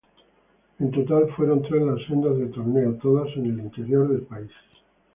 En total fueron tres las sedes del torneo, todas en el interior del país.